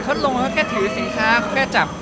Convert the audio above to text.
ก็เผียบเขาลงแล้วก็แค่ถือสินค้าแค่จับ